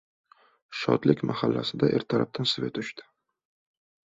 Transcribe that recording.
“Shodlik” mahallasida ertalabdan svet oʻchdi!